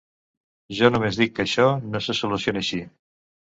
Jo només dic que això no se soluciona així.